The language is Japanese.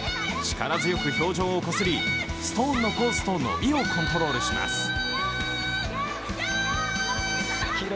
力強く氷上をこすり、ストーンのコースと伸びをコントロールします。